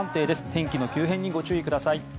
天気の急変にご注意ください。